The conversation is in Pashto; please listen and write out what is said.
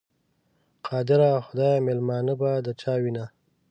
قادره خدایه، مېلمنه به د چا وینه؟